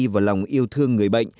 và lòng yêu thương người bệnh